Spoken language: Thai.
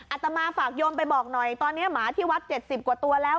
อาตมาฝากโยมไปบอกหน่อยตอนนี้หมาที่วัด๗๐กว่าตัวแล้ว